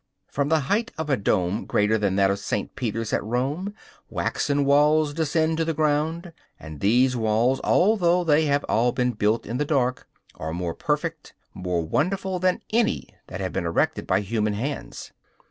From the height of a dome greater than that of St. Peter's at Rome waxen walls descend to the ground; and these walls, although they have all been built in the dark, are more perfect, more wonderful, than any that have been erected by human hands.